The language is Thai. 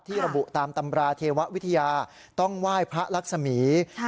ระบุตามตำราเทววิทยาต้องไหว้พระลักษมี